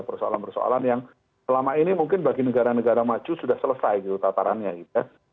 persoalan persoalan yang selama ini mungkin bagi negara negara maju sudah selesai gitu tatarannya gitu ya